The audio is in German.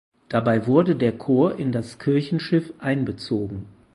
Dabei wurde der Chor in das Kirchenschiff einbezogen.